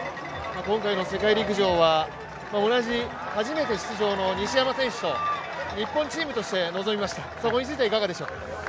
今回の世界陸上は、同じ初めて出場の西山選手と日本チームとして臨みましたそこについてはいかがですか。